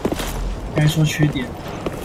該說缺點了